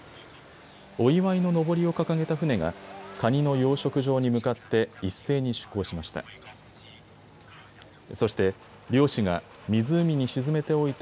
お祝いののぼりを掲げた船がカニの養殖場に向かって一斉に出港しました。